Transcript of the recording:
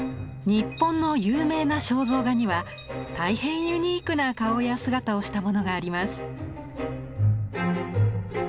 日本の有名な肖像画には大変ユニークな顔や姿をしたものがあります。